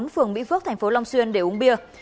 phường mỹ phước tp long xuyên để uống bia